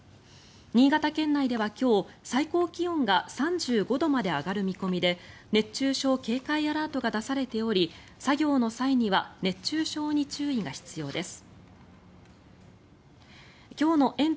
新潟県内では今日、最高気温が３５度まで上がる見込みで熱中症警戒アラートが出されており作業の際には熱中症に注意が必要です。